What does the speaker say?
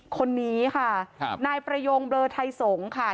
คนนี้ค่ะครับนายประยงเบลอไทยสงฆ์ค่ะ